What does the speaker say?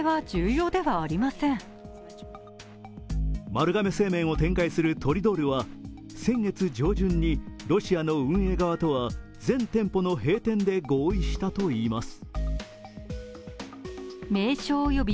丸亀製麺を展開するトリドールは、先月上旬にロシアの運営側とは全店舗の閉店で合意したといいます。